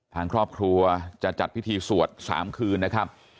ทางครอบครัวจะจัดพิธีสวด๓คืนนะครับ